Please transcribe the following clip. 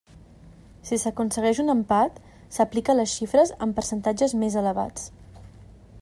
Si s'aconsegueix un empat, s'aplica a les xifres amb percentatges més elevats.